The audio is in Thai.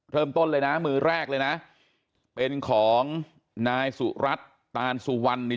เริ่มต้นเลยนะมือแรกเลยนะเป็นของนายสุรัตน์ตานสุวรรณนี่